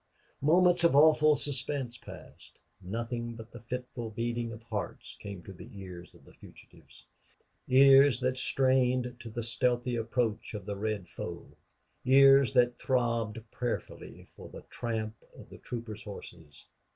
Moments of awful suspense passed. Nothing but the fitful beating of hearts came to the ears of the fugitives ears that strained to the stealthy approach of the red foe ears that throbbed prayerfully for the tramp of the troopers' horses.